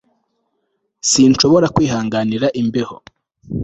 sinshobora kwihanganira imbeho